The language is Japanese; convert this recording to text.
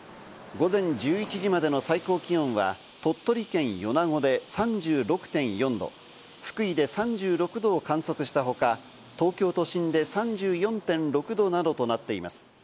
午前１１時までの最高気温は、鳥取県米子で３６．４度、福井で３６度を観測したほか、東京都心で３４．６度などとなっています。